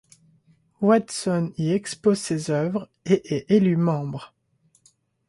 Watson y expose ses œuvres et est élu membre.